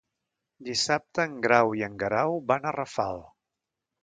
Dissabte en Grau i en Guerau van a Rafal.